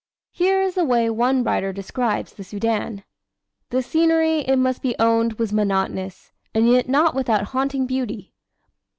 Here is the way one writer describes the Soudan: "The scenery, it must be owned, was monotonous, and yet not without haunting beauty.